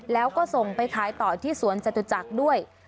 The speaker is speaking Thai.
แล้วก็ส่งไปขายต่อที่สวนจตุจักรด้วย